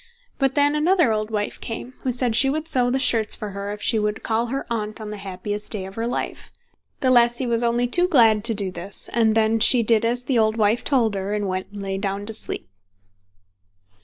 But then another old wife came, who said she would sew the shirts for her if she would call her Aunt on the happiest day of her life. The lassie was only too glad to do this, and then she did as the old wife told her, and went and lay down to sleep.